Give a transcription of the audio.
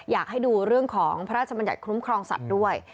อยากให้ดูเรื่องของพระราชบัญญัติคุ้มครองสัตว์ด้วย